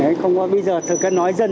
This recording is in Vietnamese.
đấy không có bây giờ thực ra nói dân